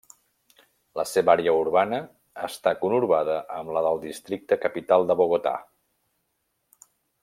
La seva àrea urbana està conurbada amb la del Districte capital de Bogotà.